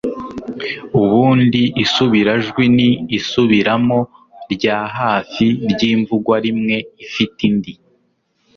ubundi isubirajwi ni isubiramo rya hafi ry'imvugwarimwe ifite indi